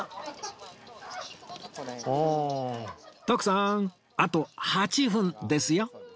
徳さんあと８分ですよ